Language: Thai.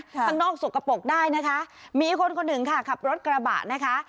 ข้างนอกสกปรกได้นะคะมีคนคนหนึ่งค่ะขับรถกระบะนะคะ